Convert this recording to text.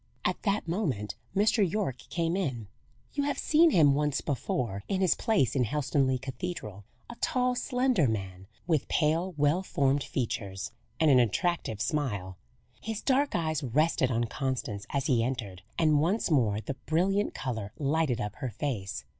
At that moment Mr. Yorke came in. You have seen him once before, in his place in Helstonleigh Cathedral: a tall, slender man, with pale, well formed features, and an attractive smile. His dark eyes rested on Constance as he entered, and once more the brilliant colour lighted up her face.